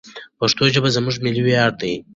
پښتو ژبه زموږ ملي ویاړ دی.